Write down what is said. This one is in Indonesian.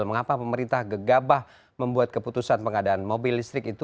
mengapa pemerintah gegabah membuat keputusan pengadaan mobil listrik itu